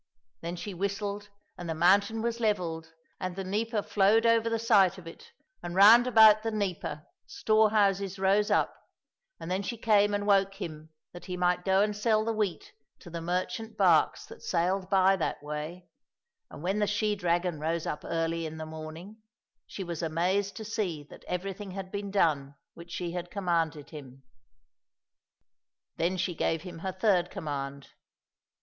Then she whistled, and the mountain was levelled and the Dnieper flowed over the site of it, and round about the Dnieper store houses rose up, and then she came and woke him that he might go and sell the wheat to the merchant barques that sailed by that way, and when the she dragon rose up early in the morning she was amazed to see that everything had been done which she had commanded him. Then she gave him her third command.